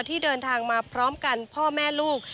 ที่เดินทางมาพร้อมกันพ่อแม่ลูก